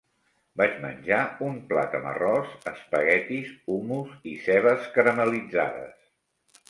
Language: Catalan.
Vaig menjar un plat amb arròs, espaguetis, hummus i cebes caramel·litzades.